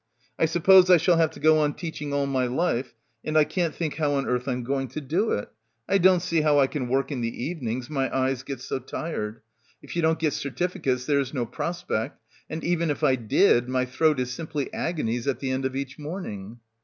"I suppose I shall have to go on teaching all my life, and I can't think how on earth I'm going to do it. I don't see how I can work in the evenings, my eyes get so tired. If you don't get certificates there's no prospect. And even if I did my throat is simply agonies at the end of each morning."